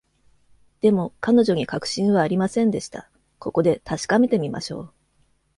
でも彼女に確信はありませんでした。ここで確かめてみましょう。